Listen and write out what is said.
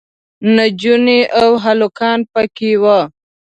نجونې او هلکان پکې وو.